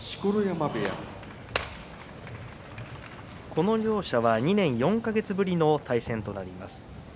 この両者は２年４か月ぶりの対戦になります。